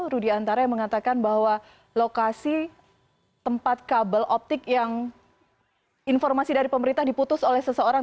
rudiantara yang mengatakan bahwa lokasi tempat kabel optik yang informasi dari pemerintah diputus oleh seseorang